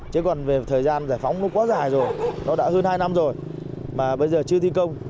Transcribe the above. chứ còn về thời gian giải phóng nó quá dài rồi nó đã hơn hai năm rồi mà bây giờ chưa thi công